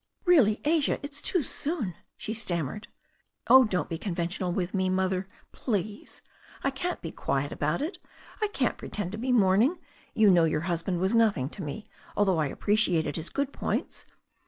"Really, Asia, it is too soon *' she stammered. "Oh, don't be conventional with me. Mother, please. I can't be quiet about it. I can't pretend to be mourning. You know your husband was nothing to me, though I appre ciated his good points.